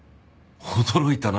驚いたな。